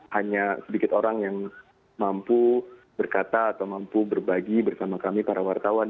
hanya sedikit orang yang mampu berkata atau mampu berbagi bersama kami para wartawan